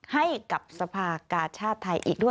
ให้กับสภากาชาติไทยอีกด้วย